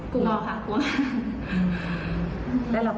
กลัวค่ะกลัว